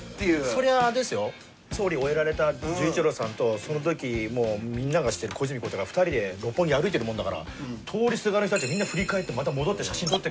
総理終えられた純一郎さんとそのときもうみんなが知ってる小泉孝太郎が２人で六本木歩いてるもんだから通りすがりの人たちみんな振り返ってまた戻って。